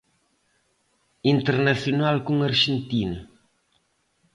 Internacional con Arxentina.